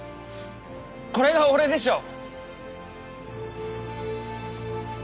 これが俺でしょ！